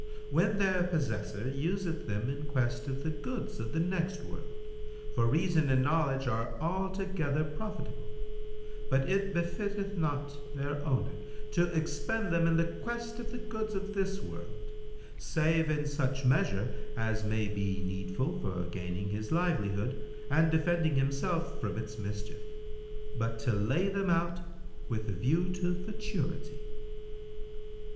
"—"When their possessor useth them in quest of the goods of the next world, for reason and knowledge are altogether profitable; but it befitteth not their owner to expend them in the quest of the goods of this world, save in such measure as may be needful for gaining his livelihood and defending himself from its mischief; but to lay them out with a view to futurity."